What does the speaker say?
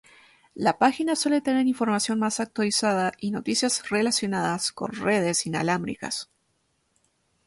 La página suele tener información más actualizada y noticias relacionadas con redes inalámbricas.